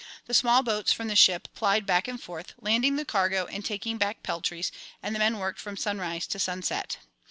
The small boats from the ship plied back and forth, landing the cargo and taking back peltries, and the men worked from sunrise to sunset.